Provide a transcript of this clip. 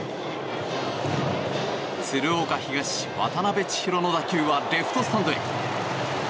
鶴岡東、渡辺千尋の打球はレフトスタンドへ。